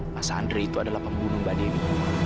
mas andre itu adalah pembunuh mbak dewi